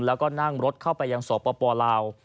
แล้วก็นั่งรถเข้าไปยังสปลาว